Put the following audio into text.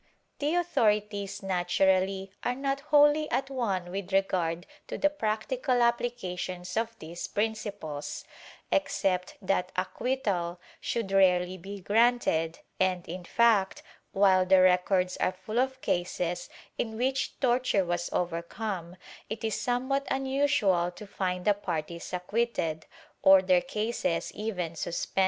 The authorities naturally are not wholly at one with regard to the practical appHcations of these principles — except that acquittal should rarely be granted and, in fact, while the records are full of cases in which torture was overcome, it is somewhat unusual to find the parties acquitted, or their cases even sus > Bibl.